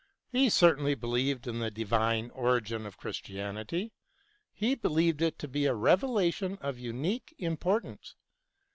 He certainly believed in the divine origin of Christi anity ; he believed it to be a revelation of unique importance.